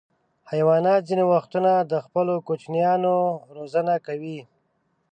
حیوانات ځینې وختونه د خپلو کوچنیانو روزنه کوي.